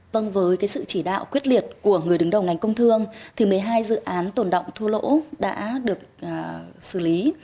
vâng với sự chỉ đạo quyết liệt của người đứng đầu ngành công thương thì một mươi hai dự án tồn động thua lỗ đã được xử lý